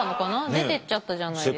出てっちゃったじゃないですか。